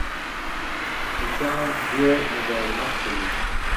مچان ډېر مزاحمت کوي